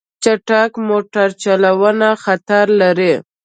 چټک موټر چلوونه خطر لري.